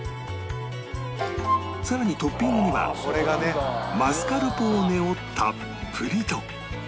さらにトッピングにはマスカルポーネをたっぷりと